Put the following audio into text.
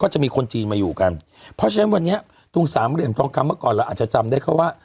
จะมีคนจีนมาอยู่กันเพราะฉะนั้นวันนี้ตรงสามเหลี่ยมทองคำเมื่อก่อนเราอาจจะจำได้เขาว่า